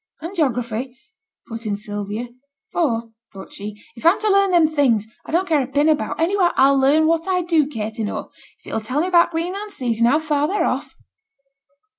'And geography,' put in Sylvia; 'for,' thought she, 'if I'm to learn them things I don't care a pin about, anyhow I'll learn what I do care to know, if it 'll tell me about t' Greenland seas, and how far they're off.'